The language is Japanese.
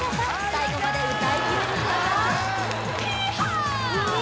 最後まで歌いきれるか？